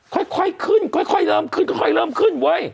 ค่อยขึ้นค่อยเริ่มขึ้นค่อยเริ่มขึ้นเว้ย